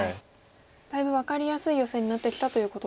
だいぶ分かりやすいヨセになってきたという。